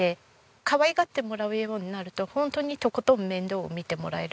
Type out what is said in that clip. かわいがってもらうようになるとホントにとことん面倒を見てもらえる。